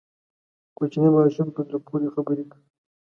کوچنی ماشوم په زړه پورې خبرې کوي.